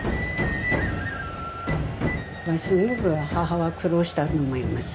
すごく母は苦労したと思います。